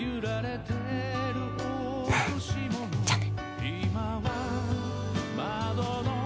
じゃあね。